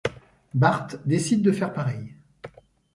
Bart décide de faire pareil.